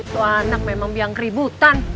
itu anak memang yang keributan